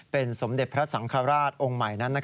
เป็นสมเด็จพระสังฆราชองค์ใหม่นั้น